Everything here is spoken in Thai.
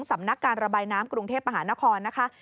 สำนักการระบายน้ำกรุงเทพมหานครนะคะ